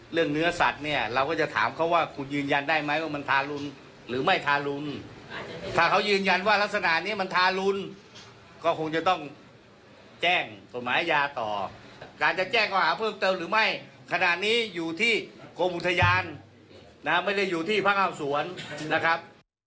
เนื้อสัตว์เนี่ยเราก็จะถามเขาว่าคุณยืนยันได้ไหมว่ามันทารุนหรือไม่ทารุณถ้าเขายืนยันว่ารักษณะนี้มันทารุนก็คงจะต้องแจ้งกฎหมายยาต่อการจะแจ้งข้อหาเพิ่มเติมหรือไม่ขณะนี้อยู่ที่กรมอุทยานนะฮะไม่ได้อยู่ที่พระข้าวสวนนะครับ